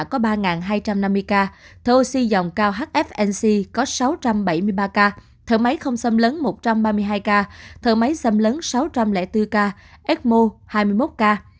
có ba hai trăm năm mươi ca dòng cao hfnc có sáu trăm bảy mươi ba ca thở máy không xâm lấn một trăm ba mươi hai ca thở máy xâm lấn sáu trăm linh bốn ca ecmo hai mươi một ca